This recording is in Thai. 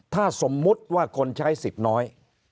ถ้าสมมุติว่าคนใช้สิทธิ์น้อย